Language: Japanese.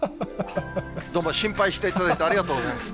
どうも心配していただいて、ありがとうございます。